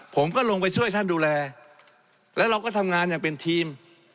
ผมก็ลงไปช่วยท่านดูแลแล้วเราก็ทำงานอย่างเป็นทีม